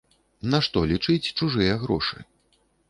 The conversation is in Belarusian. Нашто лічыць чужыя грошы?